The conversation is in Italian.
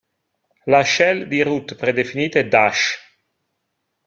La shell di root predefinita è Dash.